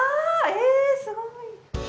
えすごい。